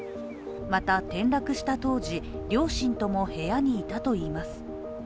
また転落した当時、両親とも部屋にいたといいます。